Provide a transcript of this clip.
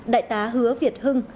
đại tá hứa việt hưng